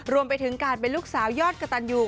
รวมไปถึงการเป็นลูกสาวยอดกระตันยู